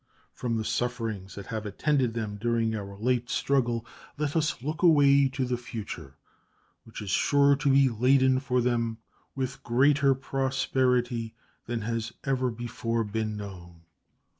From the sufferings that have attended them during our late struggle let us look away to the future, which is sure to be laden for them with greater prosperity than has ever before been known.